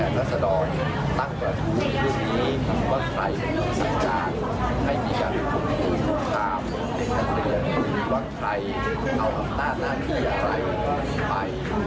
ว่าใครเอาอำนาจหน้าที่ใครไป